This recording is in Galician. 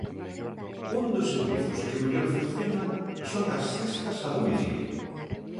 Un dos servizos que mellor funcionan son as cestas a domicilio.